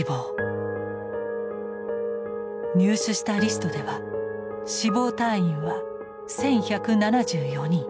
入手したリストでは死亡退院は１，１７４人。